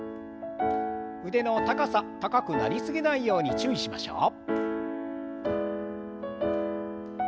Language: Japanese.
腕の高さ高くなりすぎないように注意しましょう。